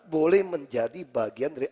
boleh menjadi bagian dari